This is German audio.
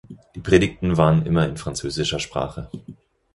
Die Predigten waren immer in französischer Sprache.